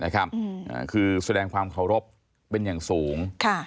คือแสดงความเคารพเป็นอย่างสูง